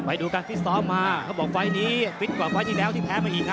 ไปดูการฟิตซ้อมมาเขาบอกไฟล์นี้ฟิตกว่าไฟล์ที่แล้วที่แพ้มาอีกนะ